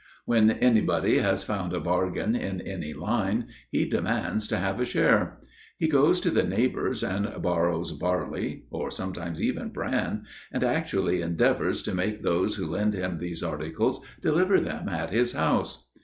When anybody has found a bargain in any line, he demands to have a share. He goes to the neighbors and borrows barley, or sometimes even bran, and actually endeavors to make those who lend him these articles deliver them at his house.